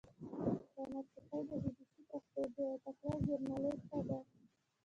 ثنا ساپۍ د بي بي سي پښتو ډېره تکړه ژورنالیسټه ده.